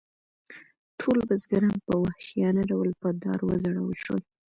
ټول بزګران په وحشیانه ډول په دار وځړول شول.